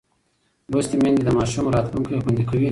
لوستې میندې د ماشوم راتلونکی خوندي کوي.